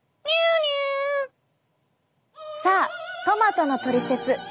さあトマトのトリセツ